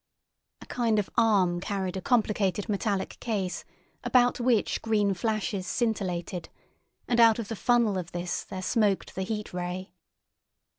A kind of arm carried a complicated metallic case, about which green flashes scintillated, and out of the funnel of this there smoked the Heat Ray.